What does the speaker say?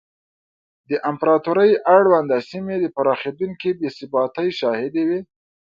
د امپراتورۍ اړونده سیمې د پراخېدونکې بې ثباتۍ شاهدې وې.